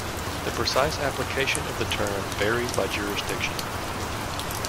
The precise application of the term varies by jurisdiction.